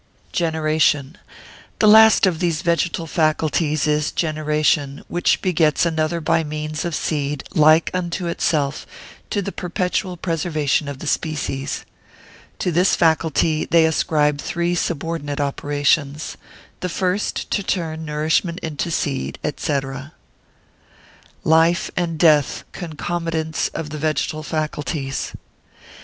Generation.] The last of these vegetal faculties is generation, which begets another by means of seed, like unto itself, to the perpetual preservation of the species. To this faculty they ascribe three subordinate operations:—the first to turn nourishment into seed, &c. Life and Death concomitants of the Vegetal Faculties.